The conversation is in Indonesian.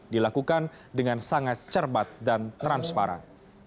dilakukan dengan sangat cermat dan transparan